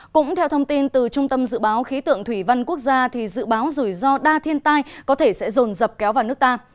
cũng theo thông tin từ trung tâm dự báo khí tượng thủy văn quốc gia dự báo rủi ro đa thiên tai có thể sẽ rồn dập kéo vào nước ta